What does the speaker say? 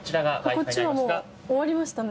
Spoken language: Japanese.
こっちはもう終わりましたね。